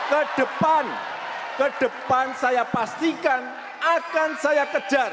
kedepan kedepan saya pastikan akan saya kejar